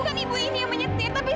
aku dipenjara karena membela mertuaku